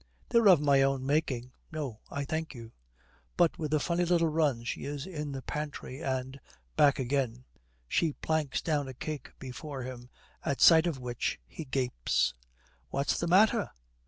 'They're of my own making.' 'No, I thank you.' But with a funny little run she is in the pantry and back again. She planks down a cake before him, at sight of which he gapes. 'What's the matter?